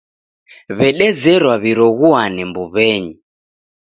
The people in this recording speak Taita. W'edezerwa w'iroghuane mbuw'enyi.